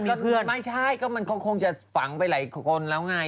ก็เพื่อนไม่ใช่ก็มันคงจะฝังไปหลายคนแล้วไง